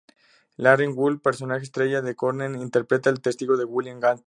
Larry Hull, personaje estrella en "The Corner", interpreta al testigo William Gant.